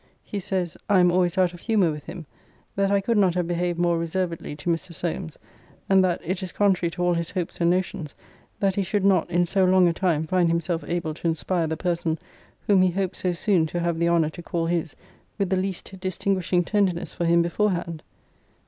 He says, 'I am always out of humour with him: that I could not have behaved more reservedly to Mr. Solmes: and that it is contrary to all his hopes and notions, that he should not, in so long a time, find himself able to inspire the person, whom he hoped so soon to have the honour to call his, with the least distinguishing tenderness for him before hand.'